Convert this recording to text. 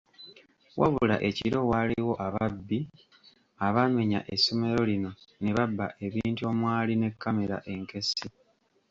Wabula ekiro waaliwo ababbi abaamenya essomero lino ne babba ebintu omwali ne kkamera enkessi.